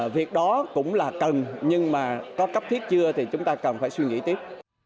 việc đó cũng là cần nhưng mà có cấp thiết chưa thì chúng ta cần phải suy nghĩ tiếp